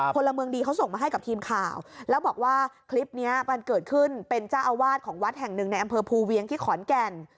พลเมืองดีเขาส่งมาให้กับทีมข่าวแล้วบอกว่าคลิปนี้มันเกิดขึ้นเป็นเจ้าอาวาสของวัดแห่งหนึ่งในอำเภอภูเวียงที่ขอนแก่น